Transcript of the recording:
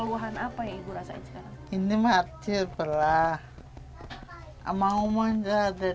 udin berumur kecil sama rumahnya jadil